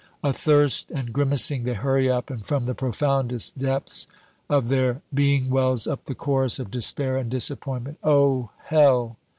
Athirst and grimacing, they hurry up; and from the profoundest depths of their being wells up the chorus of despair and disappointment, "Oh, Hell!"